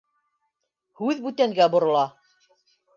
Һүҙ бүтәнгә борола.